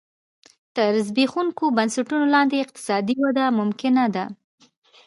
تر زبېښونکو بنسټونو لاندې اقتصادي وده ممکنه ده.